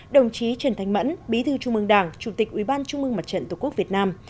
đồng chí trần thành mẫn bí thư trung ương đảng chủ tịch ủy ban trung ương mặt trận tổ quốc việt nam